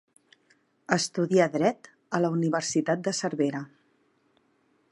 Estudià dret a la Universitat de Cervera.